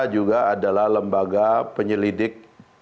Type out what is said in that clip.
juga adalah lembaga penyelidik